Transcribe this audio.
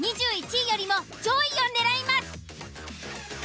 ２１位よりも上位を狙います。